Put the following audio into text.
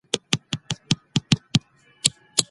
ولي ځايي واردوونکي خوراکي توکي له پاکستان څخه واردوي؟